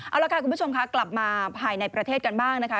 เอาละค่ะคุณผู้ชมค่ะกลับมาภายในประเทศกันบ้างนะคะ